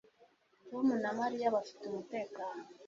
tom na mariya bafite umutekano